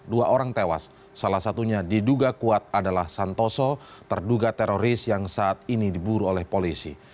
dua orang tewas salah satunya diduga kuat adalah santoso terduga teroris yang saat ini diburu oleh polisi